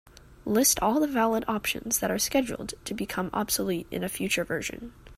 List all the valid options that are scheduled to become obsolete in a future version.